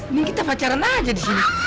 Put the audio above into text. mungkin kita pacaran aja di sini